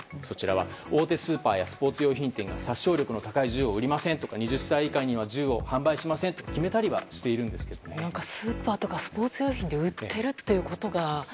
大手スーパーやスポーツ用品店では殺傷力の高い銃は売りませんとか２０歳以下には銃を販売しませんとかスーパーとかスポーツ用品で売っているということが。